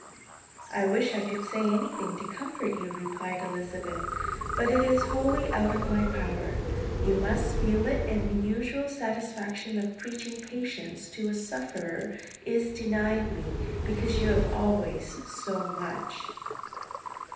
"I wish I could say anything to comfort you," replied Elizabeth; "but it is wholly out of my power. You must feel it; and the usual satisfaction of preaching patience to a sufferer is denied me, because you have always so much."